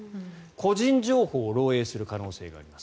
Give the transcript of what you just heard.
個人情報を漏洩する可能性があります。